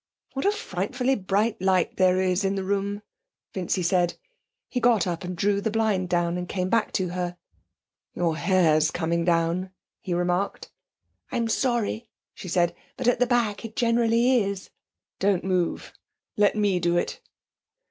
... What a frightfully bright light there is in the room,' Vincy said. He got up and drew the blind down. He came back to her. 'Your hair's coming down,' he remarked. 'I'm sorry,' she said. 'But at the back it generally is.' 'Don't move let me do it.'